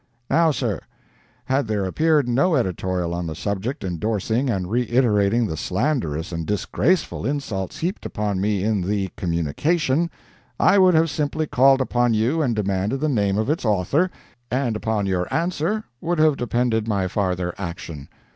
Now, sir, had there appeared no editorial on the subject endorsing and reiterating the slanderous and disgraceful insults heaped upon me in the "communication," I would have simply called upon you and demanded the name of its author, and upon your answer would have depended my farther action.